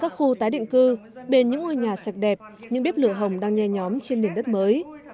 các khu tái định cư bên những ngôi nhà sạch đẹp những bếp lửa hồng đang nhe nhóm trên nền đất mới